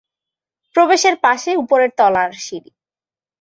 প্রবেশের পাশে উপরের তলার সিঁড়ি।